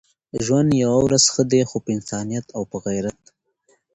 ژوند يوه ورځ ښه دی خو په انسانيت او په غيرت.